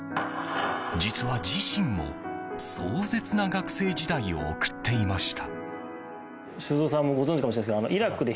実は自身も壮絶な学生時代を送っていました。